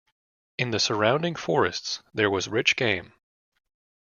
In the surrounding forests there was rich game.